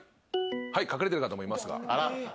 隠れてる方もいますが。